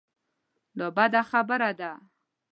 دا بده خبره ده.